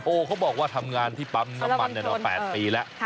เขาบอกว่าทำงานที่ปั๊มน้ำมันมา๘ปีแล้ว